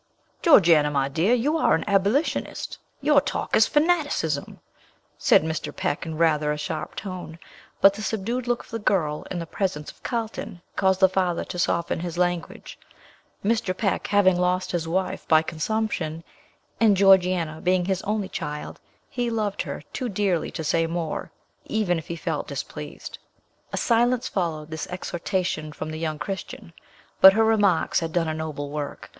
"Georgiana, my dear, you are an abolitionist; your talk is fanaticism," said Mr. Peck in rather a sharp tone; but the subdued look of the girl, and the presence of Carlton, caused the father to soften his language. Mr. Peck having lost his wife by consumption, and Georgiana being his only child, he loved her too dearly to say more, even if he felt displeased. A silence followed this exhortation from the young Christian. But her remarks had done a noble work.